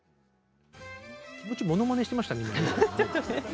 気持ちものまねしていましたね。